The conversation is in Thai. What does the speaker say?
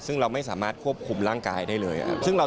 ซึ่งเราไม่สามารถควบคุมร่างกายได้เลยครับ